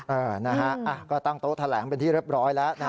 เออนะฮะก็ตั้งโต๊ะแถลงเป็นที่เรียบร้อยแล้วนะฮะ